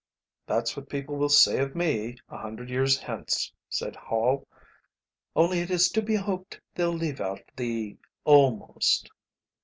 "That's what people will say of me a hundred years hence," said Hall; "only it is to be hoped they'll leave out the 'almost.